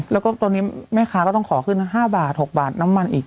แล้วก็ตอนนี้แม่ค้าก็ต้องขอขึ้น๕บาท๖บาทน้ำมันอีก